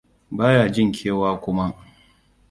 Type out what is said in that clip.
Baya jin kewa kuma.